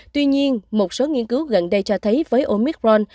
tuy nhiên một số nghiên cứu gần đây cho thấy với omicron